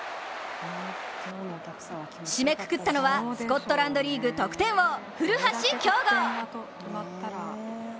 締めくくったのは、スコットランドリーグ得点王、古橋亨梧。